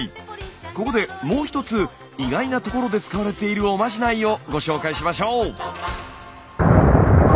ここでもう一つ意外なところで使われているおまじないをご紹介しましょう。